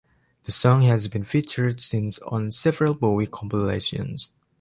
The song has been featured since on several Bowie compilations.